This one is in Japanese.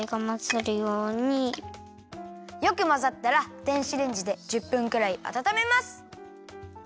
よくまざったら電子レンジで１０分くらいあたためます。